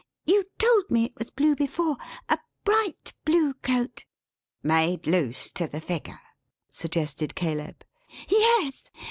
You told me it was blue before! A bright blue coat" "Made loose to the figure," suggested Caleb. "Yes!